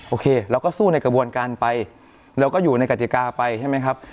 โอเคเราก็สู้ในกระบวนการไปเราก็อยู่ในกติกาไปใช่ไหมครับ